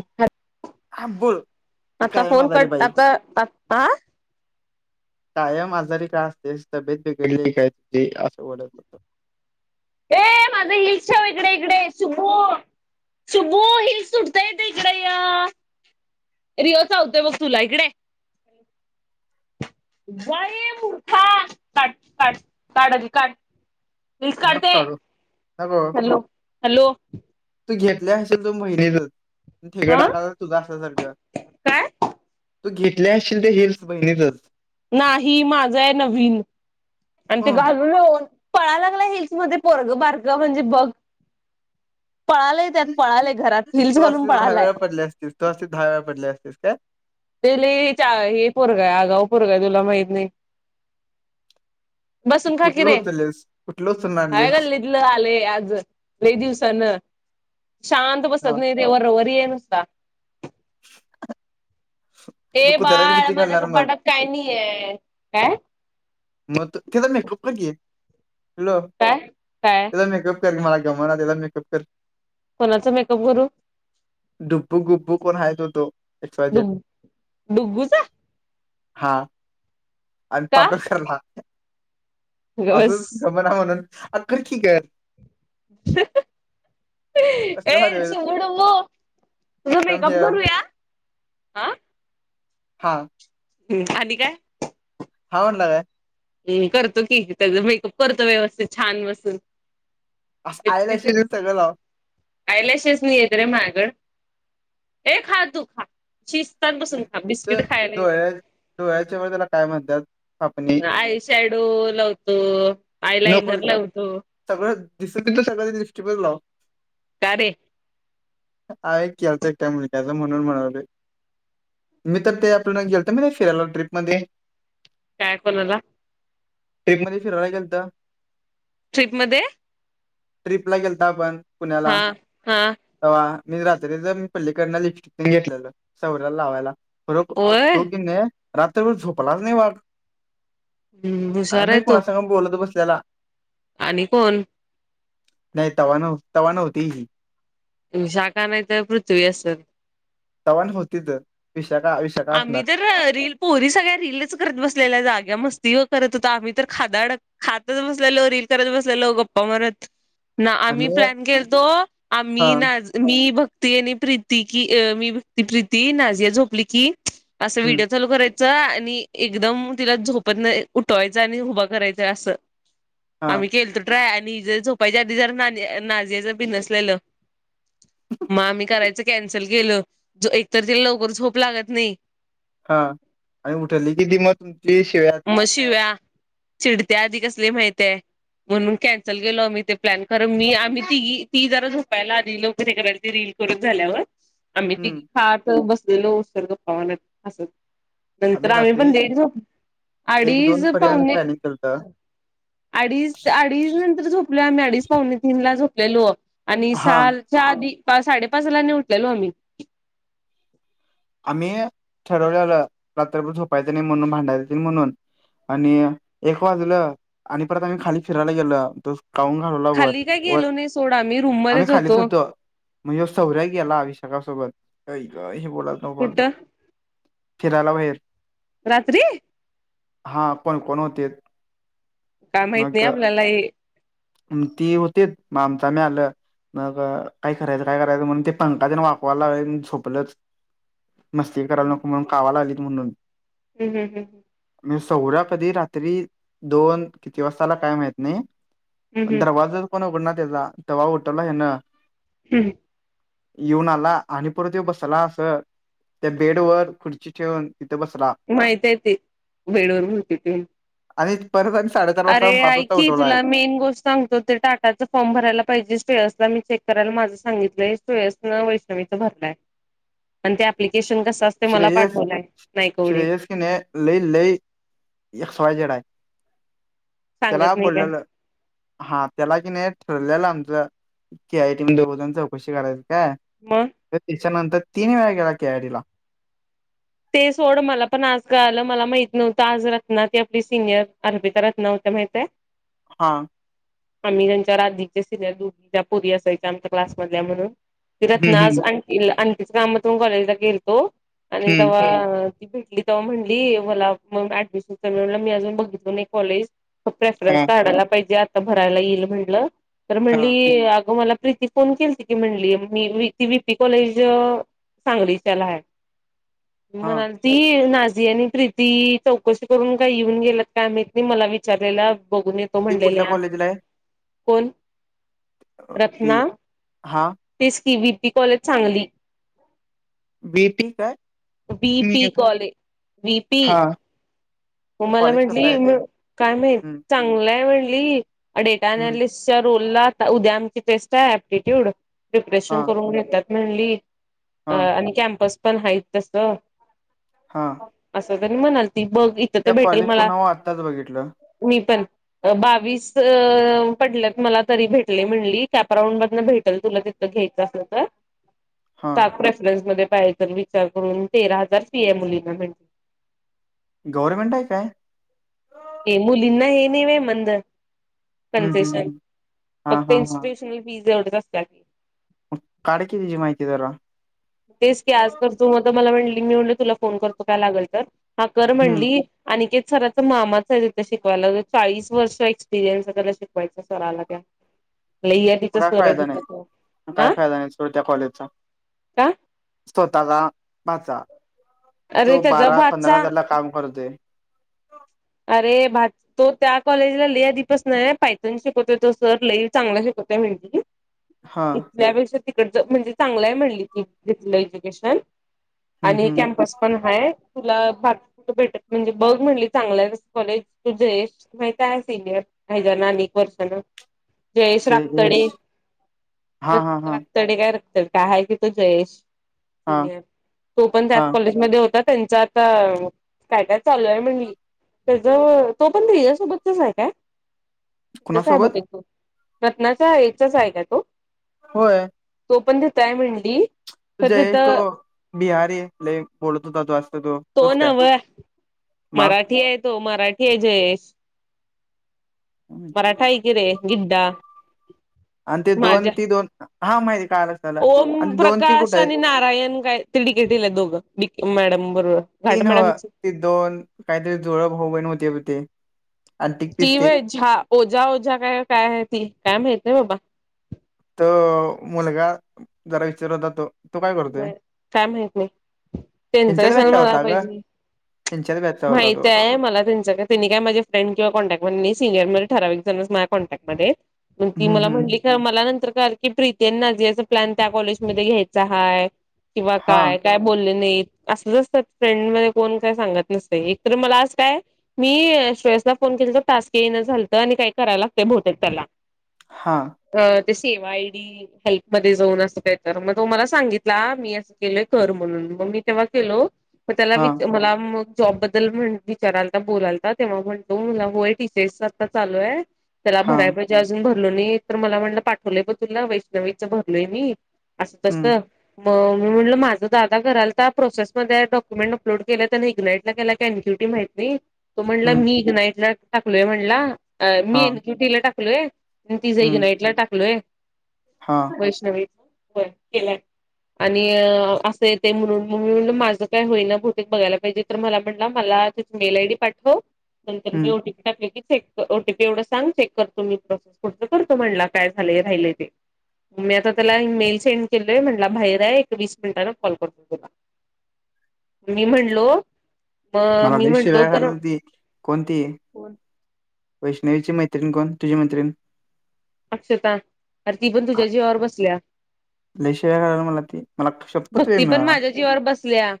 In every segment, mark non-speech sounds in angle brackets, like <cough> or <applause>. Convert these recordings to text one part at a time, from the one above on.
Hello. हा बोल. आता कायम फोन आजारी कर बाई आता कायम आजारी काय असते तब्येत वेगळी का आहे त असं बत होत. ए माझं हिलसव इकडे इकडे सुबो सुबो हिल्स सु टता येत इडेया रिय होते बघ तुला इकडे य मोठा का काट काढाज काढ मीस नको काढते काढू नको हॅलो हॅलो तू घेतल्या असेल तो महिनेचा ठेकड हा आता त सारख काय तू घेतले असशील ते हेिल्स बहिणीतच नाही माझं आहे नवीन आणि ते अं घालन. पळायला लागला हिल्स मध्ये पोरग बारग म्हणजे बघ पळाला त्यात पळालाय घरात हिल्स घालून पळालाय. <unintelligible> तो अस दहा वेळ पडले असतेस काय? ते हे पोरगय आगाव पोरगय तुला माहित नाही. बसून खकीि कुठलं रे उचललेस कुठलं उचलून हाय आणलीस गल्ली आले आज वही दिवसान शांत बसत हा नाही. वर वर येन स <unintelligible> तू ते कुत्र्याची बाळ भीती माझ्या घालणार मग कपाड काय नाहीय काय? मगत ते तर नाही खपलं की आहे हॅलो. काय काय? त्याचा मेकअप कर मला गम त्याला मेकअप कर. कोणाचं मेकअप करू. डुब्बू गुब्बू कोण हाय त हो तो एक्सजे डुग डुग्गूचा हा. आणि का पाठोकरला गप बस असंच घमरा म्हणून अका क का? कसलं भारी हच होईल मोडब. तुझं म कम करूया ह. हा. हम्म आणि काय? हा म्हणला काय? ् करतो की मेकअप करतो व्यवस्थित छान बसून अस आयलाश सगं लाव. कायलाशीच नाही येत रे माहागड हे खा तू खा. शिस्तात बसून खा तर बिस्किट खायला डोळ्या डोळ्याच्या वे त्याला काय म्हणतात. आपण आय शॅडो लावतो आय नको लाइनर लावतो. सगळं दिस सगळं दिृष्टी पण लाव. काारे. हा एक केलत एक टा मुल्याच म्हणून म्हणावले मी तर ते आपल्याला गेलत मणे फिरायला ट्र्रीपमध्येध्ये काय कलला ट्रेपमध्येध्ये फिरयेल तर ट्रिपमध्येध्ये ट्रिपला गेलता आपण पुण्याला हा हा ते मी रात्री तर मी पल्लीिकडन लिपस्टिक घेतलेलो सौराला लावायला खर होय तो की नाही रात्रीभर झोपलाच नाही वाघ काय हुशार आहे नाहीहि तो कुणास बोलत बसल्याला आणि कोण नाही तवान तवान होती शाखा नाही तर पृथ्वी असेल तवण होतीच विशाख आशा आ म तरर रीलील पोरी सगळ्या रीलच करत बसलेल्या जाग्या मस्ती व करत होत आम्ही तर खादा अडत. खातच बसलो रील करच बसलेलो गप्पा मारत. ना आम्ही प्लॅन केलतो हा आम्ही ना. मी भक्ती आणि प्रीती की अ मी भक्ती प्रीती नाझिया झोपली की असं हम्म व्हडिओ लूराय. आणि एकदम तिला झोपत नाही उठवायचं आणि उभा करायच असं. हा आम्ही केल तरो ट्राय आणि जर झोपायच्या आधी जर नाझियाच पि नसलेलं. म मही करायचं कॅन्सल केलं एकतर त्याला लवकर झोप लागत नाही हा आणि उठवली किती मग तुमची शिव्यात म शि व्या चिडते्या आधी कसली माहितय म्हणून कॅन्सल गेलो आम्ही ते प्लॅन कर मी आम्ही ति ती जरा झोपायला आली लोक ते कराय त रीलल त झाल्यावर आम्ही त हम्म खात बसलेलो उत्सर्ग पावना अस नंतर आम्ही पण दडी एक अडीच दोन पर्यंत पावणे प्लॅनिंग केलत अडीच अडीच नंतर झोपलो आम्ही अडीच पावणे तीन ला झोपलेलो आणि हा साल आधी साडेपाचला नि उटलेलो आम्ही आम्ही ठरवल्यालं रात्रभर झोपायचं नाही म्हणून भांडा नाही म्हणून आणि एक वाजलं आणि परत आम्ही खाली फिरायला गेलो तो काऊून घालवला वर खाली काय वर गेलो नाही सोडा आम्ही रूम आम्ही मध्येच खालीच होतो म्हणजे सौर्या गेला अभिषेकाासोबत हे बोत नत कुठं फिराला बाहेर रात्री हा पण कोण होते काय माहत मग नाही आपल्याला ती होते मामताम आलं न का काय करायचं काय करायचं म्हणून ते पंखाजने वाकवायला झोपलं मस्ती करायला नको म्हणून कावाला लालीत म्हणून हम हम हं हम म्हणजे सौरा कधी रात्री दोन किती वाजताला काय माहत नाही हम्म पण हम्म दरवाजा पण उघडणार त्याचा तवा उठवला हे ना हम् येऊन आला आणि परतऊ बसाला असं त्या बेड वर खुर्ची ठेवून तिथं बसला माहित आहे ते बेडोर भ तिथून आणि परत साडेचार अरे वाजता पाच ऐ वाजता की उठवलाय तुला मेन गोष्ट सांगतो ते टाटाच फॉर्म भरायला पाहिजे सुेयसला मी चेक करायला माझं सांगितलंय सयस भरय प ते अप्लिकेशन कस असते मला पाठवलंय नाहीवढ ने ल लसवाय जडाय तेला सांगत नाही काय बोोलल. हा त्याला की नाही ठरलेलं आमचं की आयटी दजण चौकशी करायची का मग तर त्याच्यानंतर तिन वेळा गेला कॅयारी ला ते सोड मला पण आजगा आलं मला माहित नव्हतं आज रत्ना ते आपली सिनियर अर्पिता रत्ना होत माहित आहे हा आम्ही त्यांच्या रधीचे सिनियर दोघी ज पुरी असायच्या आमच्या क्लासमधल्या म्हणून त रत्ना आज हम्म आण आणखीच काम त कॉलेजला गेलतो. हम्म आणि हम्म तेव्हा ती भेटली तेव्हा म्हणटली मला मग ऍडमिशन म्ह मी अजून बघितलो नाही कॉलेज प्रेफरन्स हा काढायला पाहिजे आता भरायला येईल म्हणलं तर हा म्हणली अग मला प्रीती फोन केली त की म्हणली मी ती वहीपी कॉलेज सांगलीच्याला आहे हा त् ती नाझी आणि प्रीती चौकशी करून काय येऊन गेलत काय माहीत नाही मला विचारलेला बघून येत. त ती कुठल्या म्हणलेल्या कॉलेजला आहे कोण ती रत्ना हा तेच की वी पी कॉलेज चांगली वेटी काय बी पी मी- कॉलेज ब पी हा म मला कॉलेज कसं आहे ते म्हटली काय मा हम्म चांगलंय म्हटली डेटा हम्म अनलिस्ट रोल. उद्या आमची टेस्ट आहे प्टिट्यूड हा प्रिप्रेशन करून घेतात म्हली. अ हा आणि कॅम्पस पण आहेत तस. हां. असं तनी म्हणाल ती बघ इथं तर भेटेल कॉलेजचं मला नाव आत्ताच बघितलं मी पण बावीस पडलत मला तरी भेटले म्हणली कॅपराऊंड मधन भेटेल तुला? घ्यायं असल तर <unintelligible> सात प्रेफरन्स म पाहिजे विचार करून तेरा हजार सी ए मुलीं म्हण. गव्हर्नमेंट आहे काय? ए मुलींना ये न मंद हम्म हम्म कनसेशन हम्म. हा फक्त हा हा इस्टिट्यश पिझज एव कसती काड कि तिचीी माहिती जरा तेच की आज तर तू म तर मला म्हणली मी म्हणले तुला फोन करतो काय लागल तर हा कर हम्म म्हणली. आणख सराचा मामाच आहेिथ शिकवायला चाळीस वर्ष एक्सपिरियन्स त्याला शिकवायचा सराला त्या लई आहे म तिचा काय सर आहे फायदा तिथं तो नाही काय हा फायदा नाही सुडत त्या कॉलेजचा का? स्वत का माचा अरे तो त्याचा बारा पंधरा भाचा जला काम करतोय अरे बा. तो त्या कॉलेजला लि आधीपच नाही पायथन शिकवतोय तो सर लई चांगला शिकवताय मिळती. हा इथल्यापेक्षा तिकड म्हणजे चांगलाय म्हणली त घलं एज्युकेशन हम्म आणि हम्म कॅम्पस पण हाय तुला बाु भेटत म्हणजे बघ म्हणली चांगला. कॉलेज तू जयश मात आहे सिनियर काझ ना आणि वर्षान जयेश जयश्रापतडी हा हा हा तडे काय रत का आहे की तो जयेश हा सिनियर तो पण त्यात हा कॉलेजमध्ये होता. त्यांच आता काय काय चालू आहे म्हणली. त्याचा तो पण तिज्यासोबतचच आहे का तब कुणासोबत तो रत्नाचा याचाच आहे काय तो होय. तोपणेतय म्हडी तु जयश तो बिहारी ल बोलत होता तोत तो तोच काय? मग ठी आहे तो मराठी आहे जये मराठा आहे की रे, गिड्डा आणि ते दोन माझ्या, ती दोन हा माहिती काल त्याला ओम आणि दोन ती प्रकाश कुठे आहेत आणि नारायण काय. ती डिकेटीला आहेत दोघं मॅडम बरोबर. ती घाट नव्ह मॅडमची ते दोन, काहीतरी जुळ भाऊबहिन होती‌ बग ती. ती व्हयं झा ओझा ओझा काय काय आहे ती काय माहित नाही बाबा. तो मुलगा जरा विचारला तो. तो काय करतोय काय माहित नाही. त्यांच ह्यांच्याच कशाल बॅचचा मला होता ग पाहिजे. ह्यांच्याच बॅचचा होता तो माहितय मला त्यांच कश तेनी काय माझे फ्रेंड किंवा कॉन्टॅक्टमध्ये सिनियर मध्ये, ठरावीक जण माझ्या कॉन्टॅक्टमध्ये ती हम्म मला हम्म म्हटली. मला नंतर कळाल की, प्रीती आणि नाजीयाच प्लॅन त्या कॉलेजमध्ये घ्यायच हाय. किंवा हा काय, काय बोले नाहीत असल असतात. फ्रेंड मध्ये कोण काय सांगत नसते. एक तर मला अस काय, मी श्रेयसला फोन केल तो, टास्क येना झालतं आणि काय करायला लागतय बहुतेक त्याला, हा. ते सेवा आयडी हेल्पमध्ये जाऊन, अस काय तरी मग तो मला. सांगितला मी असं केलोय कर म्हणून, मग मी तेव्हा केलो मग त्याला विच हां, मला मग, जॉबबद्दल म्हण विचारालता बोलालता तेव्हा, म्हणतो मला होय टी सी एस च आता चालूय. त्याला भराय हां, पाहिजे अजून भरलो नाही, तर मला म्हणला पाठवलंय बग तुला वैष्णवीचं भरलोय मी. असं तस, हं, मग म्हटलं माझं दादा करालता, प्रोसेसमध्ये डॉक्युमेंट अपलोड केलंत आणि इग्नाइट. <unintelligible> कॅनक्युटी माहित नाही. तो म्हणला हं, मी इग्नाइटला टाकलोय म्हणला, मी हां, इनक्यूटीला टाकलोय. मी तीज हं, इग्नाइटला टाकलोय. हां. वैष्णवीच व्हयं केलाय. आणि असं येते म्हणून मग, मी म्हणलो माझं काय होईना बहुतेक बघायला पाहिजे. तर मला म्हटला मला ति मेल आयडी पाठव, नंतर मी हं. ओटीपी टाकले की, चेक कर ओटीपी एवढं सांग, चेक करतो मी प्रोस पुढंच करतो म्हणला काय झालंय राहिलय ते, मी आता त्याला मेल सेंड केलोय म्ह म्हणला बाहेर आहे, एक वीस मिनटान कॉल करतो तुला. मी म्हणलो, मग मला मी लय म्हटलो शिव्या तर घालालती कोण ती? वैष्णवीची मैत्रीण कोण, तुझी मैत्रीण अक्षता अरे, ती पण तुझ्या जीवावर बसल्या. लय शिव्या घालाल्या मला ती, मला शप्पत वेळ भक्ती पण मिळना. माझ्या जीवावर बसल्या,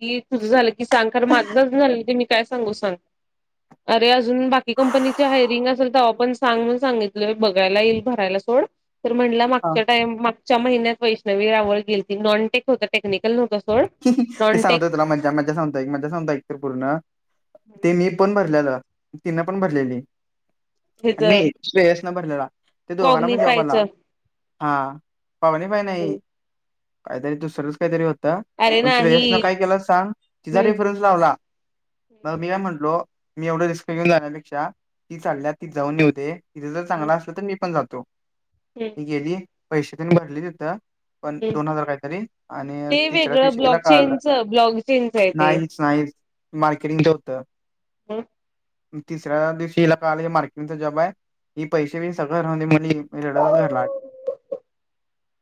की तुझं झालं की सांग खर माझं चं अजून झालं नाही काय सांगू सांग. अरे, अजून बाकी कंपनीच्या हायरिंग असलं. तवा पण सांग‌ म्हणून सांगि बघायला येईल भरायला सोड, तर म्हटला हां. मागच्या टाइमला मागं च्या महिन्या वैष्णवी रावळ गेलती नॉनटेक होतं टेक्निकल नव्हतं. सोड. ते सांगतो नॉनटेक तुला मज्या मज्जा सांगतो, ऐक मज्जा सांगतो ऐक तर पूर्ण ते मी. पण भरलेलं तिन पण भरलेली, हेज मी श्रेयसन भरलेला. त्या दोघांना पण जॉब कॉग्निफायच आला. हा.. पावनी बाई नाही काहीतरी दुसरंच, काही तरी होतं अरे मग श्रेयसन नाही. काय केला सांग, तिचा हम्म रेफरन्स लावला. मग मी हम्म काय म्हटलो. मी एवढं रिस्क घेऊन जाण्यापेक्षा ती चालल्या ती जाऊन येऊदे. तिथे जर चांगला असल तर मी पण जातो. हम्म ती गेली पैसे तेन भरली तिथं, पण हम्म दोन हजार काही तरी आणि, ते तिसऱ्या दिवशी तिला ब्लॉक चेनच, ब्लॉक चेनच आहे ते, नाही मार्केटिंगच होतं. <unintelligible> तिसऱ्या दिवशी हिला कळाल, मार्केटंगचा जाब आहे. ही पैसे बिसै सगळ राह दे म्हटली. रडतच घरला आली.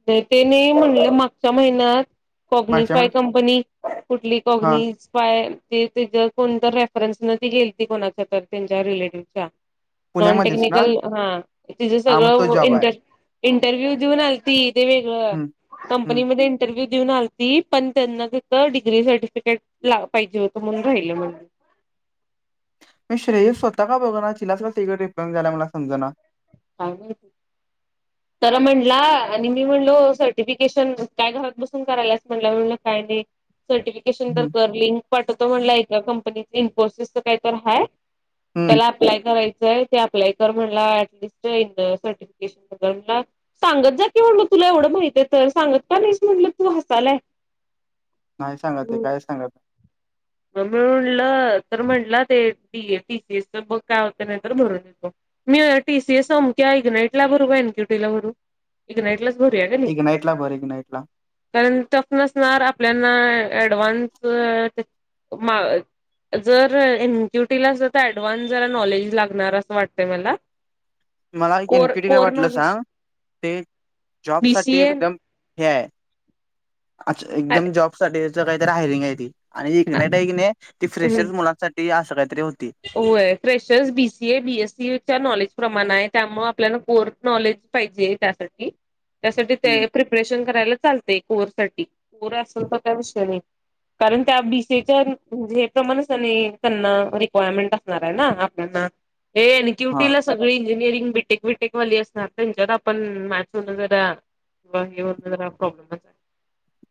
नाही तेने म्हणले मागच्या महिन्यात कोग्नीज मागच्या हाय महिन्यात कंपनी, कुठली हा कोग्नीज? य त <unintelligible> त कोणत रेफरन्स न त गेली त कोणाच्या तर त्यांच्या रिलेटिव्हच्या नॉन पुण्यामध्येच ना टेक्निकल हा तिझ हा मग सगळं- तो व जॉब आहे इंटर -इंटरव्ह्यू दिऊन आल त <unintelligible> ते वेगळं हम्म कंपनी हम्म मध्ये <unintelligible> इंटरव्ह्यू दिऊन आलती पण त्यांना तित डिग्री सर्टिफिकेट ला पाहिजे होतं म्हणून राहिलं म्हण. <unintelligible> श्रेयस स्वतः का बघ ना तिलाच का तिकट रिप्लान झाला समजा ना. <unintelligible> का नाही. <unintelligible> तर म्हणला आणि मी म्हणलो सर्टिफिकेशन काय घरात बसून करायलाच म्हटलं म्हणलं काय नाही. सर्टिफिकेशन तर हम्म कर लिंक पाठवतो म्हणलाय एका कंपनीच इन्फोसिसच काय तर हाय. हम्म त्याला अप्लाय करायचंय ते अप्लाय कर म्हणला टिस्ट सर्टिफिकेशनला सांगत जा कि म्हणलं तुला एवढं माहितय तर सांगत का नाहीस म्हटलं तू हसायलाय नाही सांगत ते काय सांगा. मग म्हणलं तर म्हटलं ते डी पीसीएच बघ काय होत नाहीतर भरून येतो. मी टीसीए समक ऐकन इट बरोब ब आहेन क्युटीला बरू एक <unintelligible> नाईटलाच भरूया कणी इग्नाइट ला भर इग्नाइट ला कारण तफ नसणार आपल्याना डव्हान्स <unintelligible> जर एनक्यूटीलाच अस तर ऍडव्हान्स जरा नॉलेज लागणार असं वाटतंय मला मला कोर इन्क्युरी काय कोर वाटलं नॉलेज सांग ते जॉब साठी बीसीए एकदम हेय- अच्-एकदम अरे जॉब साटीच काहीतरी हयरिंग हाय ती आणि <unintelligible> हाय कणी ती फ्रेशर मुलांसाठी असं काहीतरी होती. होय क्रेशर्स बीसीए बीएसी च्या नॉलेज प्रमाण आहे त्यामुळ आपल्याला कोर्स नॉलेज. <unintelligible> पाहिजे त्यासाठी तया-त्यासाठी हम्म, प्री ऑपरेशन करायला चालतय कोअर साठी कोअर असेल तर काय विषय नई कारण त्या बीसेच्याे हे -प्रमाणने त्यांना रि होय अमेंट असनारय ना हा <unintelligible> <inaudible> सगळी इंजिनिअरिंग बीटेक बिटेक वाली असतात त्यांच्यात आपण अं -मॅच होन जरा <unintelligible> जरा प्रॉब्मच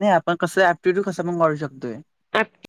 नई आपण कसंय ऍक्टिविटी कसं पण <unintelligible> शकतोय <unintelligible>